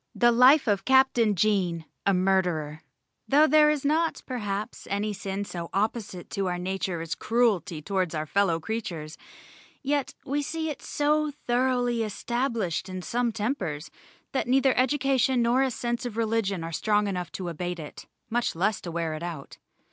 The Life of CAPTAIN JAEN, a Murderer Though there is not perhaps any sin so opposite to our nature as cruelty towards our fellow creatures, yet we see it so thoroughly established in some tempers, that neither education nor a sense of religion are strong enough to abate it, much less to wear it out.